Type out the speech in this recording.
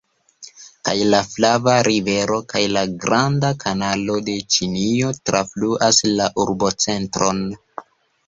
Kaj la Flava Rivero kaj la Granda Kanalo de Ĉinio trafluas la urbocentron.